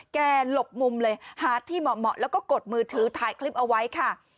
หลบมุมเลยหาที่เหมาะแล้วก็กดมือถือถ่ายคลิปเอาไว้ค่ะ